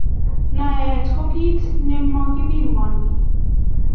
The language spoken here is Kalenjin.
naet ko kei nomokipimani